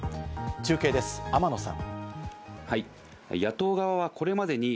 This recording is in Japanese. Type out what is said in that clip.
中継です、天野さん。